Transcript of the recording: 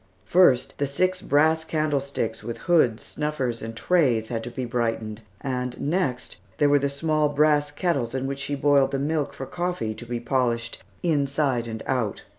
First, the six brass candlesticks, with hoods, snuffers, and trays had to be brightened; and next, there were the small brass kettles in which she boiled the milk for coffee, to be polished inside and out.